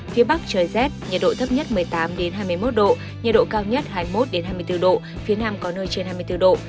phía bắc trời rét nhiệt độ thấp nhất một mươi tám hai mươi một độ nhiệt độ cao nhất hai mươi một hai mươi bốn độ phía nam có nơi trên hai mươi bốn độ